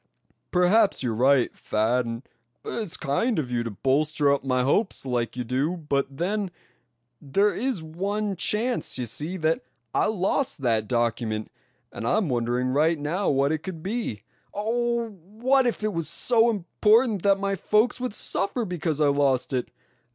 "Perhaps you're right, Thad, and it's kind of you to bolster up my hopes like you do; but then, there is one chance, you see, that I lost that document; and I'm wondering right now what it could be. Oh! what if it was so important that my folks would suffer because I lost it?